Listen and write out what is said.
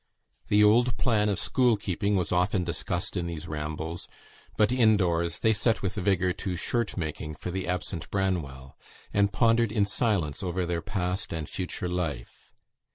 The old plan of school keeping was often discussed in these rambles; but in doors they set with vigour to shirt making for the absent Branwell, and pondered in silence over their past and future life.